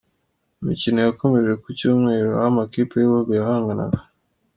Imikino yakomeje ku cyumweru, aho amakipi y’ibihugu yahanganaga.